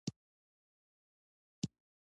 زموږ تر ټولو لویه ملي شتمني.